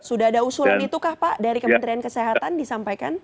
sudah ada usulan itukah pak dari kementerian kesehatan disampaikan